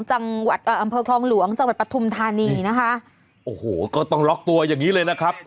จังหวัดเอ่ออำเภอคลองหลวงจังหวัดปฐุมธานีนะคะโอ้โหก็ต้องล็อกตัวอย่างงี้เลยนะครับ